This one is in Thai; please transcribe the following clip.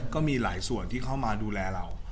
ก็มีหลายส่วนที่เข้ามาดูแลเรา